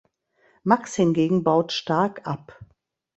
Max hingegen baut stark ab.